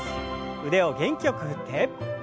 腕を元気よく振って。